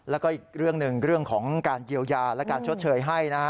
แล้วก็อีกเรื่องหนึ่งเรื่องของการเยียวยาและการชดเชยให้นะฮะ